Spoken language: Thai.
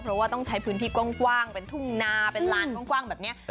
เพราะว่าต้องใช้พื้นที่กว้างเป็นทุ่งนาเป็นลานกว้างแบบนี้